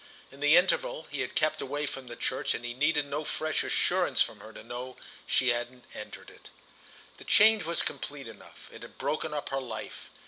In the interval he had kept away from the church, and he needed no fresh assurance from her to know she hadn't entered it. The change was complete enough: it had broken up her life.